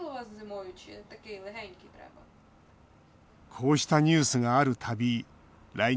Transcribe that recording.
こうしたニュースがある度来日前